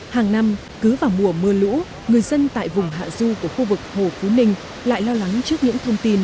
hàng năm cứ vào mùa mưa lũ người dân tại vùng hạ du của khu vực hồ phú ninh lại lo lắng trước những thông tin